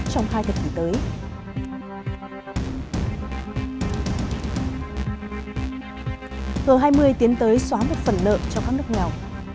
hờ hai mươi tiến tới xóa một phần nợ cho các nước nghèo